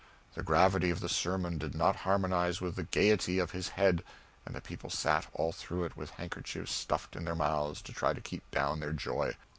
The gravity of the sermon did not harmonize with the gayety of his head, and the people sat all through it with handkerchiefs stuffed in their mouths to try to keep down their joy.